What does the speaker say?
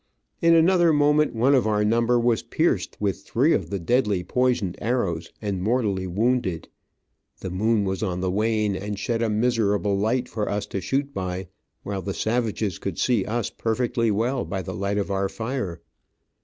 In another moment one of our number was pierced with three of the deadly poisoned arrows, and mortally wounded. The moon was on the wane, and shed a miserable light for us to shoot by, while the savages could see us perfectly well by the light of our fire.